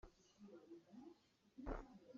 Inn ah a lawi cang.